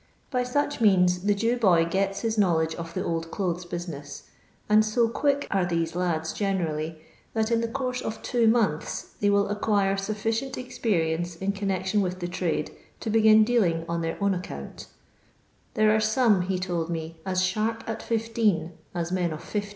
By such means the Jew boy gets his know ledge of the old clothes business ; and so quick an these lads generally, that in the course of two months they will acquire sufficient experience in eonncction with the trade to begin dealing on their own account There are some, he told me, as sharp at 1 5 as men of 50.